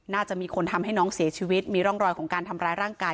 น่าจะมีคนทำให้น้องเสียชีวิตมีร่องรอยของการทำร้ายร่างกาย